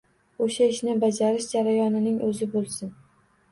O’sha ishni bajarish jarayonining o’zi bo’lsin.